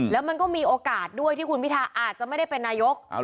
แล้วมันก็มีโอกาสด้วยที่คุณพิทาอาจจะไม่ได้เป็นนายก